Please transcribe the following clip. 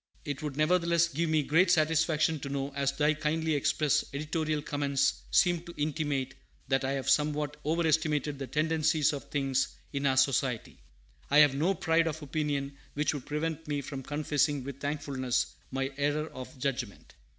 It would, nevertheless, give me great satisfaction to know, as thy kindly expressed editorial comments seem to intimate, that I have somewhat overestimated the tendencies of things in our Society. I have no pride of opinion which would prevent me from confessing with thankfulness my error of judgment.